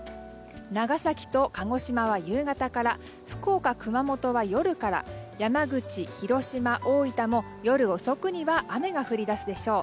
長崎と鹿児島は夕方から福岡、熊本は夜から山口、広島、大分も夜遅くには雨が降り出すでしょう。